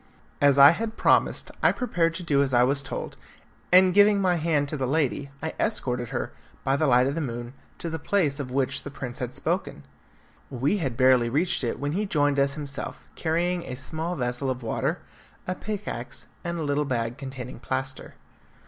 As I had promised I prepared to do as I was told, and giving my hand to the lady, I escorted her, by the light of the moon, to the place of which the prince had spoken. We had barely reached it when he joined us himself, carrying a small vessel of water, a pickaxe, and a little bag containing plaster.